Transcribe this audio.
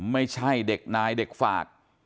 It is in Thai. ไม่ใช่เด็กนายเด็กฝาก